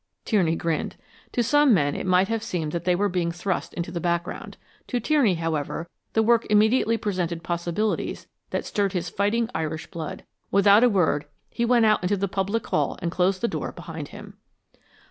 Tierney grinned. To some men it might have seemed that they were being thrust into the background. To Tierney, however, the work immediately presented possibilities that stirred his fighting Irish blood. Without a word he went out into the public hall and closed the door behind him.